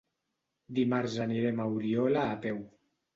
Dimarts anirem a Oriola a peu.